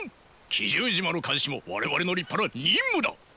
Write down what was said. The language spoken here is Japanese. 奇獣島の監視も我々の立派な任務だ。